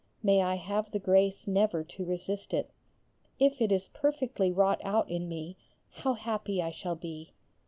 May I have the grace never to resist it. If it is perfectly wrought out in me how happy I shall be.